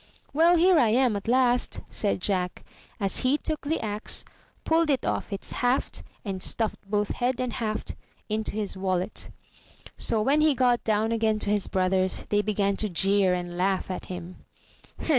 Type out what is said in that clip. "Well, here I am at last," said Jack, as he took the axe, pulled it off its haft, and stuffed both head and haft into his wallet. So when he got down again to his brothers, they began to jeer and laugh at him.